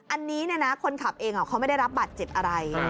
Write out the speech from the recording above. อันนี้คนขับเองเขาไม่ได้รับบาดเจ็บอะไร